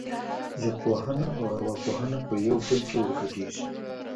ژبپوهنه او ارواپوهنه په یو بل کې ورګډېږي